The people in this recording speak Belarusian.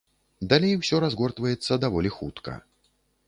Далей усё разгортваецца даволі хутка.